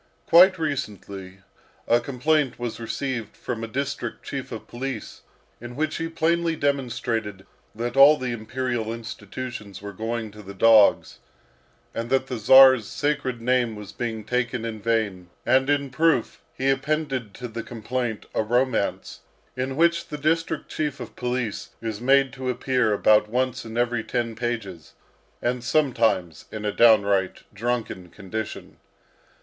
Quite recently, a complaint was received from a district chief of police in which he plainly demonstrated that all the imperial institutions were going to the dogs, and that the Czar's sacred name was being taken in vain; and in proof he appended to the complaint a romance, in which the district chief of police is made to appear about once in every ten pages, and sometimes in a downright drunken condition.